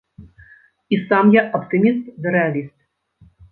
І сам я аптыміст ды рэаліст.